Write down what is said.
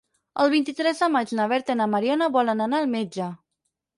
El vint-i-tres de maig na Berta i na Mariona volen anar al metge.